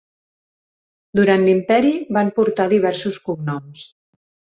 Durant l'Imperi van portar diversos cognoms.